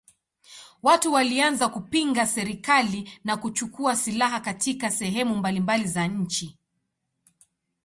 Watu walianza kupinga serikali na kuchukua silaha katika sehemu mbalimbali za nchi.